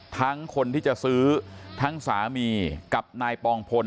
คนที่จะซื้อทั้งสามีกับนายปองพล